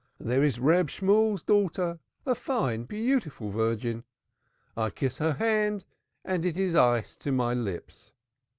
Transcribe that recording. There is Reb Shemuel's daughter a fine beautiful virgin. I kiss her hand and it is ice to my lips.